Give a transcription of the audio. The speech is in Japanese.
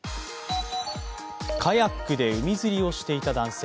カヤックで海釣りをしていた男性。